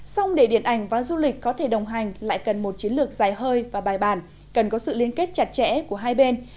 xong để điện ảnh và du lịch có thể đồng hành lại cần một chiến lược dài hơi và bài bản cần có sự liên kết chặt chẽ của hai bên